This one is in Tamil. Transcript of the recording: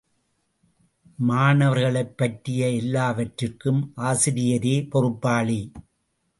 மாணவர்களைப்பற்றிய எல்லாவற்றிற்கும் ஆசிரியரே பொறுப்பாளி.